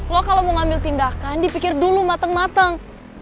lo kalau mau ngambil tindakan dipikir dulu mateng mateng